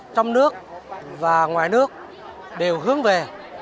trong nước và ngoài nước đều hướng về